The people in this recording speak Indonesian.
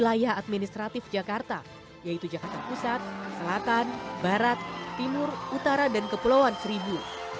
wilayah administratif jakarta yaitu jakarta pusat selatan barat timur utara dan kepulauan seribu